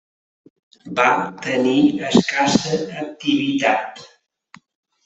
Va tenir escassa activitat.